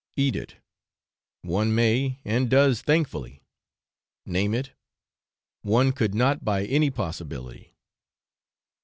Eat it, one may and does thankfully; name it, one could not by any possibility.